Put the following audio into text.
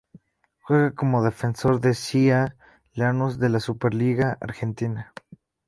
Juega como defensor en C. A. Lanús de la Superliga Argentina.